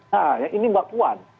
nah ini mbak puan